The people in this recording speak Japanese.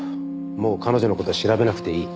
もう彼女の事は調べなくていい。